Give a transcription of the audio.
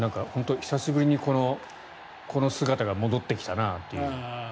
久しぶりにこの姿が戻ってきたなという。